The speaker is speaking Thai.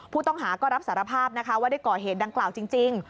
ผู้ต้องหาก็รับสารภาพนะคะว่าได้ก่อเหตุดังกล่าวจริง